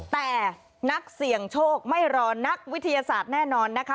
แต่นักเสี่ยงโชคไม่รอนักวิทยาศาสตร์แน่นอนนะคะ